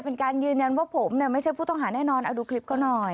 เป็นการยืนยันว่าผมไม่ใช่ผู้ต้องหาแน่นอนเอาดูคลิปเขาหน่อย